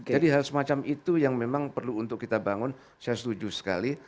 jadi hal semacam itu yang memang perlu untuk kita bangun saya setuju sekali